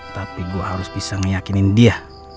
tapi gue harus bisa meyakinin dia